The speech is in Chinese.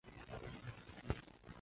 三月卒于琼。